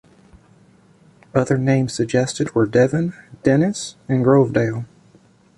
Other names suggested were Devon, Dennys and Grovedale.